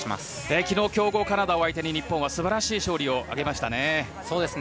きのう、強豪カナダを相手に日本はすばらしい勝利を挙げましたね。